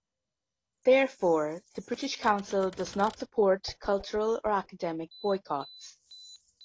Therefore the British Council does not support cultural or academic boycotts.